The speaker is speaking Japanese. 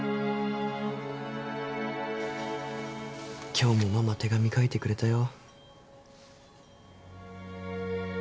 今日もママ手紙書いてくれたよ。